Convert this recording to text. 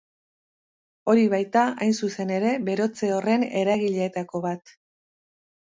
Hori baita, hain zuzen ere, berotze horren eragileetako bat.